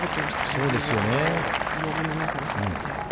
そうですよね。